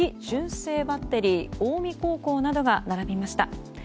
純正バッテリー近江高校などが並びました。